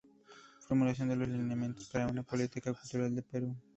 Formulación de los lineamientos para una política cultural del Perú.